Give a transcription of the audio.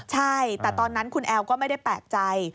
ใช่แต่ตอนนั้นคุณแอลก็ไม่ได้แปลกใจ